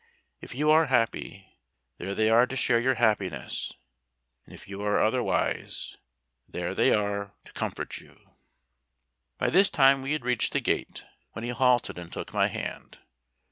If you are happy, there they are to share your happiness and if you are otherwise there they are to comfort you." By this time we had reached the gate, when he halted, and took my hand.